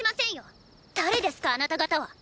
誰ですかあなた方は？